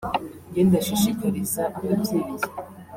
“ Njye ndashishikariza ababyeyi